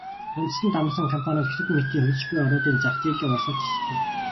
Үндэстэн дамнасан компаниуд Хятад мэтийн хөгжиж буй орнуудын зах зээлийн урсгалд тэсэхгүй.